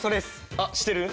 あっしてる？